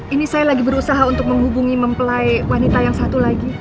ini saya lagi berusaha untuk menghubungi mempelai wanita yang satu lagi